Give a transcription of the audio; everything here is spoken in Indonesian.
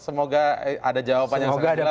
semoga ada jawaban yang sangat jelas